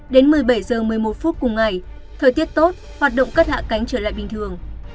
đến một mươi bảy h một mươi một phút cùng ngày thời tiết tốt hoạt động cất hạ cánh trở lại bình thường